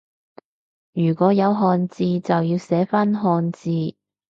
如果有漢字就要寫返漢字